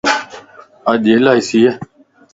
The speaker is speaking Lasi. اڄ الائي سي ا